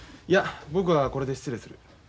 いや僕はこれで失礼する。